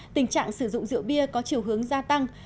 tình trạng sử dụng rượu bia có chiều hướng gia tăng